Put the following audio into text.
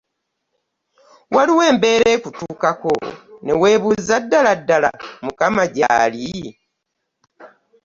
Waliwo embeera ekutuukako ne weebuuza ddala ddala mukama gy'ali?